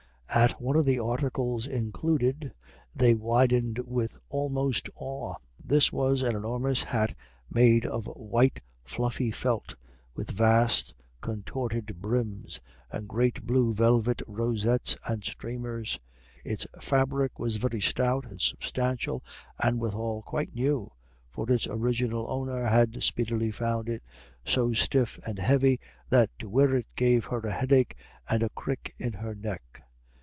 At one of the articles included they widened with almost awe. This was an enormous hat made of white fluffy felt, with vast contorted brims, and great blue velvet rosettes and streamers. Its fabric was very stout and substantial, and withal quite new, for its original owner had speedily found it so stiff and heavy that to wear it gave her a headache and a crick in her neck.